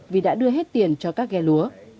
vì đã đưa hết tiền cho các ghe lúa